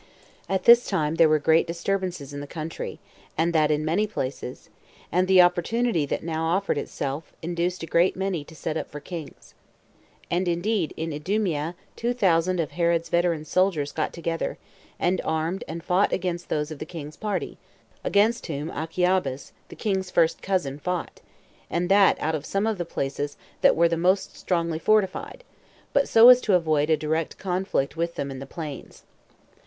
1. At this time there were great disturbances in the country, and that in many places; and the opportunity that now offered itself induced a great many to set up for kings. And indeed in Idumea two thousand of Herod's veteran soldiers got together, and armed and fought against those of the king's party; against whom Achiabus, the king's first cousin, fought, and that out of some of the places that were the most strongly fortified; but so as to avoid a direct conflict with them in the plains.